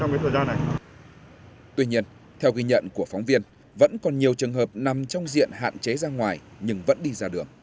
mời quý vị theo dõi ghi nhận của phóng viên truyền hình nhân dân